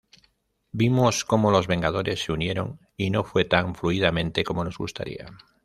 Vimos como Los Vengadores se unieron, y no fue tan fluidamente como nos gustaría.